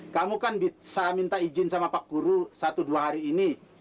kamu kan bisa minta izin sama pak guru satu dua hari ini